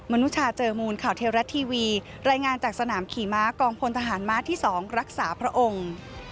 นุชาเจอมูลข่าวเทวรัฐทีวีรายงานจากสนามขี่ม้ากองพลทหารม้าที่๒รักษาพระองค์